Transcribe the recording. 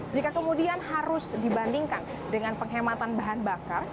jika kemudian harus dibandingkan dengan penghematan bahan bakar